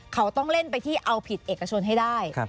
เขาต้องเล่นไปที่เอาผิดเอกชนให้ได้